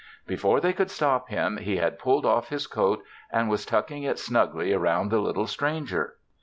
Before they could stop him, he had pulled off his coat and was tucking it snugly about the little stranger.